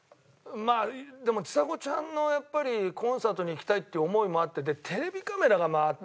でもちさ子ちゃんのやっぱりコンサートに行きたいっていう思いもあってテレビカメラが回ってるから。